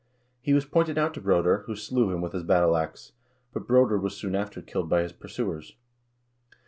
He was pointed out to Broder, who slew him with his battle ax ; but Broder was soon after killed by his pursuers.